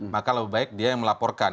maka lebih baik dia yang melaporkan